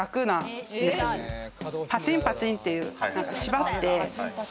パチンパチンっていう。